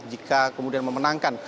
jika kemudian memenangkan